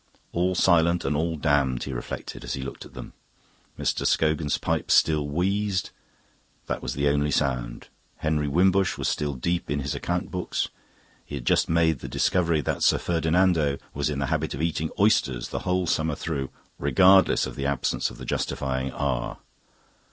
All silent and all damned, he reflected, as he looked at them. Mr. Scogan's pipe still wheezed; that was the only sound. Henry Wimbush was still deep in his account books; he had just made the discovery that Sir Ferdinando was in the habit of eating oysters the whole summer through, regardless of the absence of the justifying R.